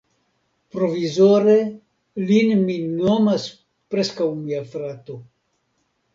Provizore, lin mi nomas preskaŭ mia frato.